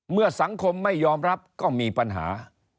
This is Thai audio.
เมื่อสังคมไม่ยอมรับก็มีปัญหา